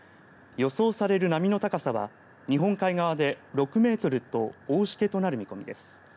予想される波の高さは日本海側で６メートルと大しけとなる見込みです。